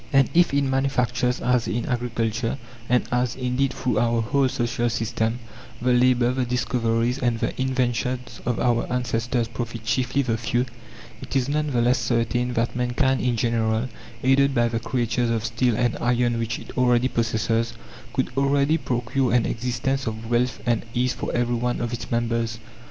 And if in manufactures as in agriculture, and as indeed through our whole social system, the labour, the discoveries, and the inventions of our ancestors profit chiefly the few, it is none the less certain that mankind in general, aided by the creatures of steel and iron which it already possesses, could already procure an existence of wealth and ease for every one of its members.